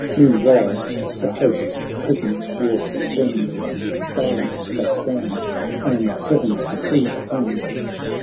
Meanwhile the hosts the present war suspend. Silent they stand, and heaven's decree attend.